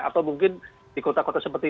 atau mungkin di kota kota seperti